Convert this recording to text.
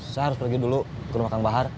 saya harus pergi dulu ke rumah kang bahar